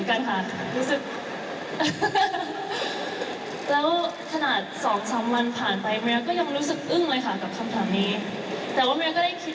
มารียาก็รู้สึกอึ้งเหมือนกันค่ะรู้สึก